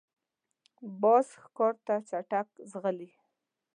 باز ښکار ته چټک ځغلي